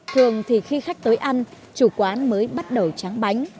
thường thì khi khách tới ăn chủ quán mới bắt đầu tráng bánh